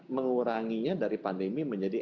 menguranginya dari pandemi menjadi